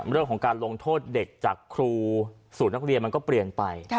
เรื่องของการลงโทษเด็กจากครูสูตรนักเรียนมันก็เปลี่ยนไป